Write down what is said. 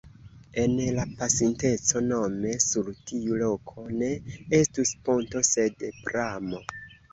En la pasinteco nome sur tiu loko ne estus ponto sed pramo.